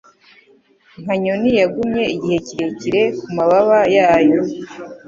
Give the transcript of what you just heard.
Nka nyoni yagumye igihe kirekire kumababa yayo